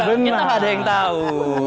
ada yang tahu